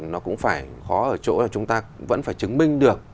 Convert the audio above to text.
nó cũng phải khó ở chỗ là chúng ta vẫn phải chứng minh được